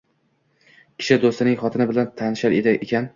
Kishi do‘stining xotini bilan tanishar ekan.